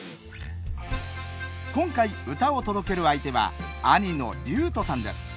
今回、歌を届ける相手は兄の琉斗さんです。